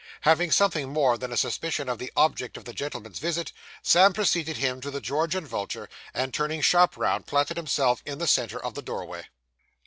Having something more than a suspicion of the object of the gentleman's visit, Sam preceded him to the George and Vulture, and, turning sharp round, planted himself in the centre of the doorway.